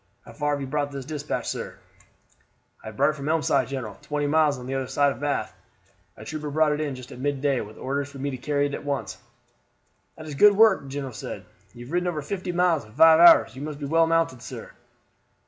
How far have you brought this despatch, sir?" "I have brought it from Elmside, general; twenty miles on the other side of Bath. A trooper brought it in just at midday, with orders for me to carry it on at once." "That is good work," the general said. "You have ridden over fifty miles in five hours. You must be well mounted, sir."